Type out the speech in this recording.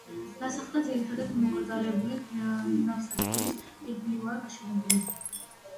დასახლება ძირითადად მოკრძალებული ნავსადგურის ირგვლივაა გაშენებული.